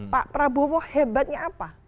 pak prabowo hebatnya apa